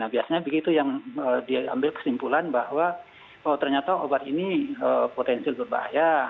biasanya begitu yang diambil kesimpulan bahwa oh ternyata obat ini potensi berbahaya